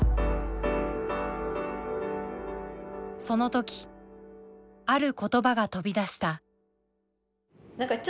その時ある言葉が飛び出した。